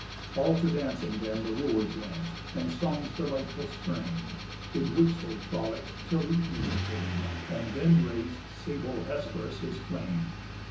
All to dancing then The Wooers went, and song's delightful strain; In which they frolick'd, till the evening came, And then rais'd sable Hesperus his flame.